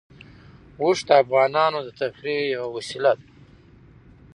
اوښ د افغانانو د تفریح یوه وسیله ده.